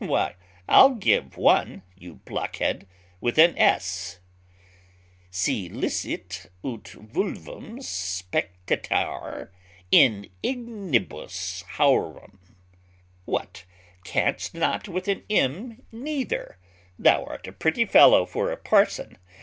Why, I'll give one, you blockhead, with an S. "'Si licet, ut fulvum spectatur in ignibus haurum.' "What, canst not with an M neither? Thou art a pretty fellow for a parson!